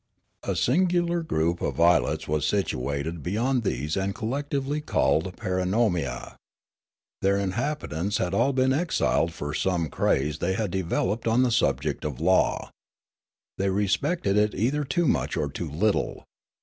A singular group of islets was situated beyond these and collectively called Paranomia. Their inhabitants had all been exiled for some craze they had developed on the subject of law. They respected it either too much or too little.